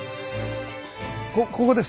ここです。